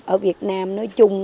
ở việt nam nói chung